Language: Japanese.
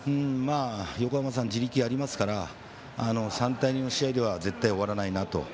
横浜さん地力ありますから３対２の試合では絶対終わらないなと。